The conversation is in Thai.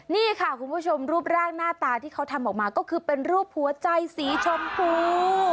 นี่ค่ะคุณผู้ชมรูปร่างหน้าตาที่เขาทำออกมาก็คือเป็นรูปหัวใจสีชมพู